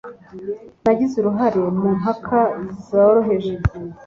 Nagize uruhare mu mpaka zoroheje.